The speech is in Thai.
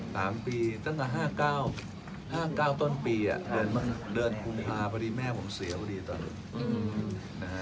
ตั้งแต่๓ปีตั้งแต่๕๙ต้นปีอ่ะเดินกุมภาพพอดีแม่ผมเสียพอดีตอนนี้